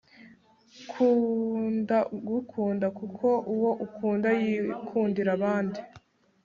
kunda ugukunda kuko uwo ukunda yikundira abandi